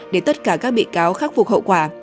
để tất cả các bị cáo khắc phục hậu quả